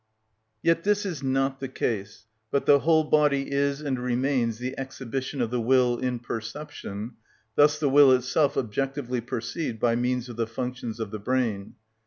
Yet this is not the case: but the whole body is and remains the exhibition of the will in perception, thus the will itself objectively perceived by means of the functions of the brain.